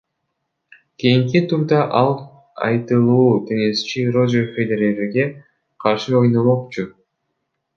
Кийинки турда ал айтылуу теннисчи Рожер Федерерге каршы ойномокчу.